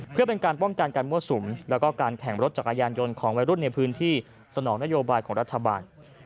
เพื่อเป็นการป้องกันการมั่วสุมแล้วก็การแข่งรถจักรยานยนต์ของวัยรุ่นในพื้นที่สนองนโยบายของรัฐบาล